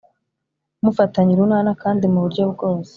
mufatanye urunana kandi mu buryo bwose